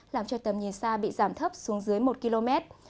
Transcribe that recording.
làm cho tầm nhìn xa bị giảm thấp xuống dưới một km